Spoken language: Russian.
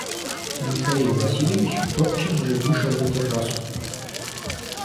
Михаил Васильевич тотчас же вышел на террасу.